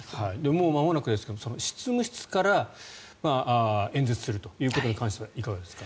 もうまもなくですが執務室から演説するということに関してはいかがですか？